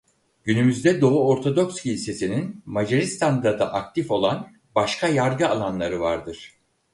Günümüzde Doğu Ortodoks Kilisesi'nin Macaristan'da da aktif olan başka yargı alanları vardır.